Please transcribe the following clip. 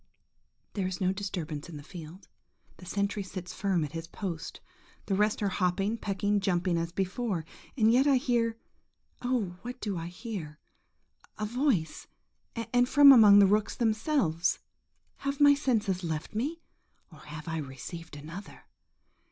There is no disturbance in the field; the sentry sits firm at his post; the rest are hopping, pecking, jumping as before; and yet I hear–oh, what do I hear?–a voice–and from among the rooks themselves! Have my senses left me, or have I received another?